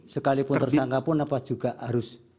sekalipun tersangka pun apa juga harus